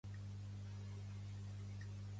Tenir molta merda a la taula de la cuina.